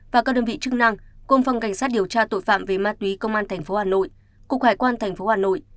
và các đơn vị chức năng cùng phòng cảnh sát điều tra tội phạm về ma túy công an tp hà nội cục hải quan tp hà nội